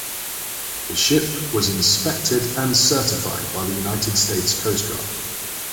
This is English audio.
The ship was inspected and certified by the United States Coast Guard.